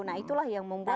nah itulah yang membuat